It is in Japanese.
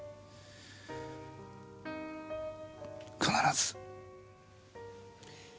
必ず。